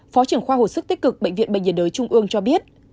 phó trưởng khoa hồi sức tích cực bệnh viện bệnh nhiệt đới trung ương cho biết